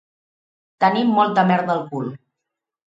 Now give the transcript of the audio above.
Tenir molta merda al cul